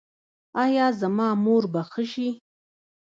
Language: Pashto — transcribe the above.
ایا زما مور به ښه شي؟